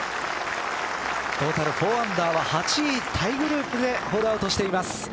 トータル４アンダー８位タイグループでホールアウトしています。